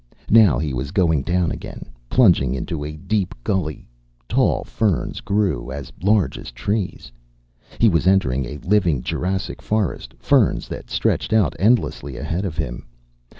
Now he was going down again, plunging into a deep gully. Tall ferns grew, as large as trees. He was entering a living Jurassic forest, ferns that stretched out endlessly ahead of him.